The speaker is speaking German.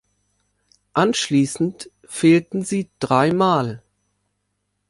Anschließend fehlten sie dreimal.